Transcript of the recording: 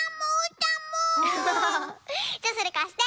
じゃそれかして。